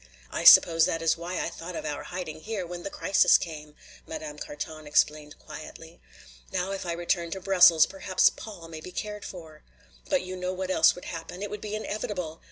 I suppose that is why I thought of our hiding here when the crisis came," Madame Carton explained quietly. "Now if I return to Brussels perhaps Paul may be cared for. But you know what else would happen. It would be inevitable!